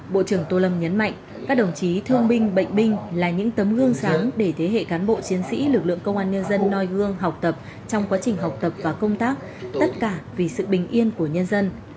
bộ trưởng tô lâm nhấn mạnh các đồng chí thương binh bệnh binh là những tấm gương sáng để thế hệ cán bộ chiến sĩ lực lượng công an nhân dân noi gương học tập trong quá trình học tập và công tác tất cả vì sự bình yên của nhân dân